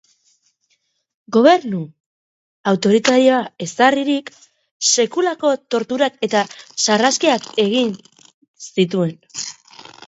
Gobernu autoritarioa ezarririk, sekulako torturak eta sarraskiak egin zituen.